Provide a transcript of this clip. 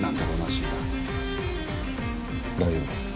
志村大丈夫です